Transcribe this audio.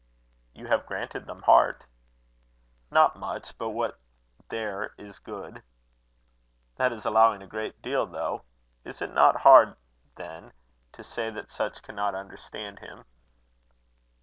"You have granted them heart." "Not much; but what there is, good." "That is allowing a great deal, though. Is it not hard then to say that such cannot understand him?"